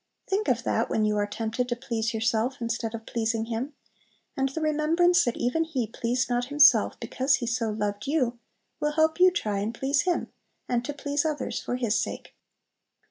Think of that when you are tempted to please yourself instead of pleasing Him, and the remembrance that even He pleased not Himself because He so loved you, will help you to try and please Him, and to please others for His sake.